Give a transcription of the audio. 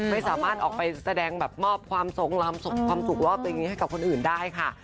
ไม่สามารถออกไปแสดงแบบมอบความทรงลำความสุขรอบตัวเองนี้ให้กับคนอื่นได้ค่ะ